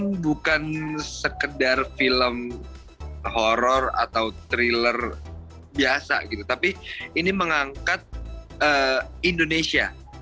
ini bukan sekedar film horror atau thriller biasa gitu tapi ini mengangkat indonesia